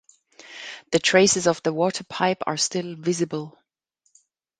The traces of the water pipe are still visible.